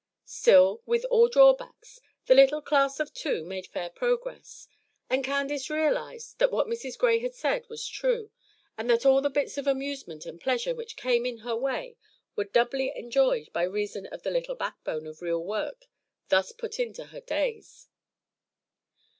Still, with all drawbacks, the little class of two made fair progress; and Candace realized that what Mrs. Gray had said was true, and that all the bits of amusement and pleasure which came in her way were doubly enjoyed by reason of the little "backbone" of real work thus put into her days.